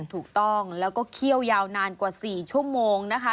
ถูกต้องแล้วก็เคี่ยวยาวนานกว่า๔ชั่วโมงนะคะ